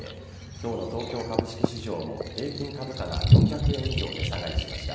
今日の東京株式市場も平均株価が４００円以上値下がりしました。